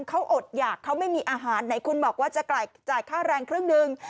เขาอดหยากเขาไม่มีอาหารไหนคุณบอกว่าจะจ่ายค่าแรงครึ่งหนึ่ง